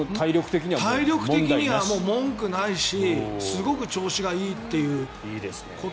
体力的には文句ないしすごく調子がいいということ。